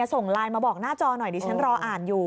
ส่งไลน์มาบอกหน้าจอหน่อยดิฉันรออ่านอยู่